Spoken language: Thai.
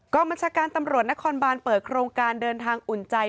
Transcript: บัญชาการตำรวจนครบานเปิดโครงการเดินทางอุ่นใจ